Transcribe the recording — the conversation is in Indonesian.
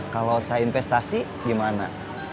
kalau saya investasi gimana